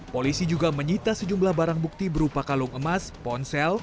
polisi juga menyita sejumlah barang bukti berupa kalung emas ponsel